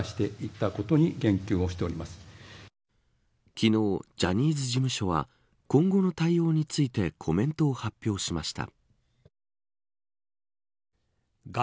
昨日ジャニーズ事務所は今後の対応についてコメントを発表しました。